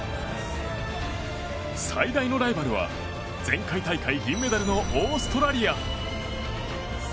最大のライバルは、前回大会銀メダルのオーストラリア。